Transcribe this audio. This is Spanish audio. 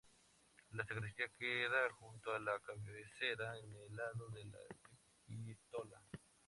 La sacristía queda junto a la cabecera en el lado de la epístola.